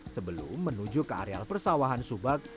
sebelum menuju ke areal persawahan subak